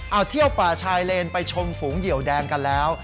เอาเที่ยวป่าชายเลนไปชมฝูงเหยียวแดงกันแล้ว